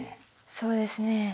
そうですね